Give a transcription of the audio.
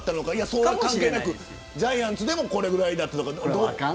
そんなん関係なくジャイアンツでもこれぐらいだったのか。